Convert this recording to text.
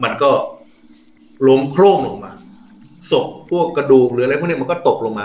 มันก็ล้มโครงลงมาศพพวกกระดูกหรืออะไรพวกเนี้ยมันก็ตกลงมา